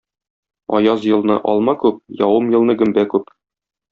Аяз елны алма күп, явым елны гөмбә күп.